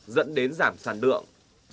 dẫn đến giảm sản lượng